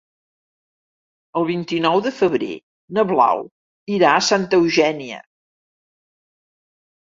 El vint-i-nou de febrer na Blau irà a Santa Eugènia.